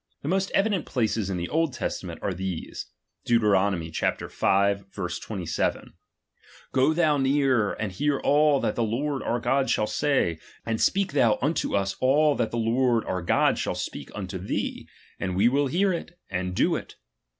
The most evident ^H places in the Old Testament are these : Deut. v. 27: ^^k Go thou near, and hear all that the Lord our God ^H shall say ; and speak thou unto us all that the ^H Lord our God shall speak unto thee, and we will ^H hear it, and do it.